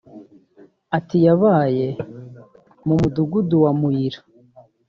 Ati “Yabaye mu mudugudu wa Muyira